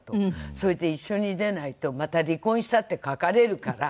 それで「一緒に出ないとまた“離婚した”って書かれるから」